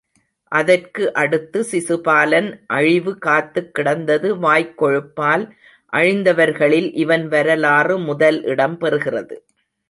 அதற்கு அடுத்து சிசுபாலன் அழிவு காத்துக் கிடந்தது வாய்க் கொழுப்பால் அழிந்தவர்களில் இவன் வரலாறு முதல் இடம் பெறுகிறது.